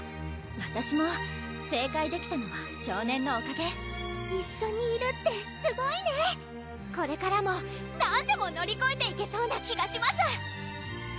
わたしも正解できたのは少年のおかげ一緒にいるってすごいねこれからも何でも乗りこえていけそうな気がします